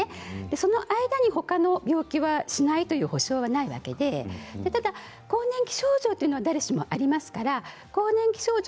その間に他の病気はしないという保証はないわけでただ更年期症状というのは誰しもありますから更年期症状